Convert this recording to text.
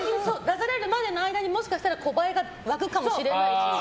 出されるまでの間に小バエが湧くかもしれないし。